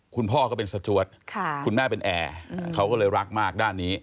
คุณพ่อก็เป็นสจวดคุณแม่เป็นแอร์เขาก็เลยรักมากด้านนี้